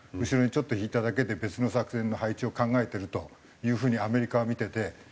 後ろにちょっと引いただけで別の作戦の配置を考えてるという風にアメリカは見てて。